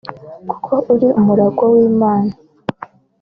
kuko uri umuragwa w'Imana